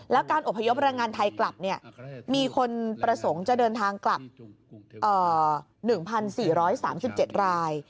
แล้วการอบพยพแรงงานไทยกลับมีคนประสงค์จะเดินทางกลับ๑๔๓๗ราย